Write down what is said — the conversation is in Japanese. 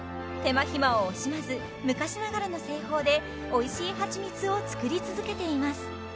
手間暇を惜しまず昔ながらの製法でおいしいはちみつを作り続けています